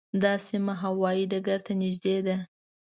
دا سیمه هوايي ډګر ته نږدې ده.